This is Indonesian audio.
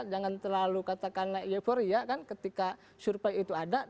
jangan terlalu katakanlah euforia kan ketika survei itu ada